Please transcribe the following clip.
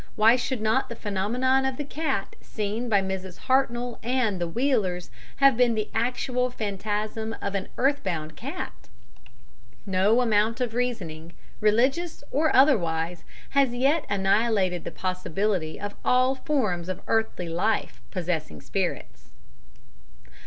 Why should not the phenomenon of the cat seen by Mrs. Hartnoll and the Wheelers have been the actual phantasm of an earthbound cat? No amount of reasoning religious or otherwise has as yet annihilated the possibility of all forms of earthly life possessing spirits.